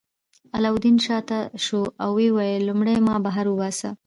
علاوالدین شاته شو او ویې ویل لومړی ما بهر وباسه.